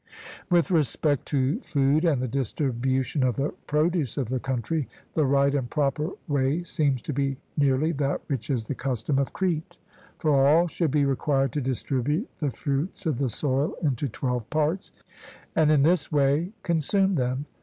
With respect to food and the distribution of the produce of the country, the right and proper way seems to be nearly that which is the custom of Crete; for all should be required to distribute the fruits of the soil into twelve parts, and in this way consume them.